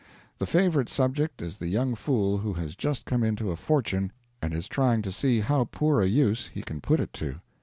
The favorite subject is the young fool who has just come into a fortune and is trying to see how poor a use he can put it to.